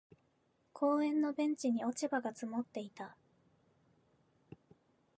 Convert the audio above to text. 公園のベンチに落ち葉が積もっていた。